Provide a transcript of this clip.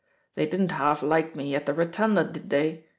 They didn't half like me at the Rotimda, did they?